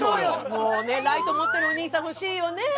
もうねライト持ってるお兄さん欲しいよねえ？